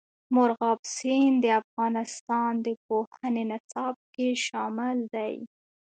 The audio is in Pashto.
مورغاب سیند د افغانستان د پوهنې نصاب کې شامل دي.